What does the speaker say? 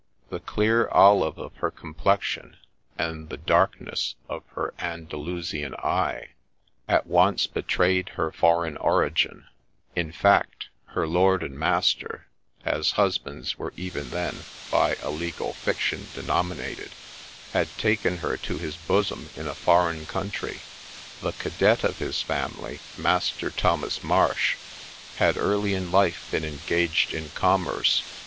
The clear olive of her complexion, and ' the darkness of her Andalu sian eye,' at once betrayed her foreign origin ; in fact, her ' lord and master,' as husbands were even then by a legal fiction denominated, had taken her to his bosom in a foreign country. The cadet of his family, Master Thomas Marsh, had early in life been engaged in commerce.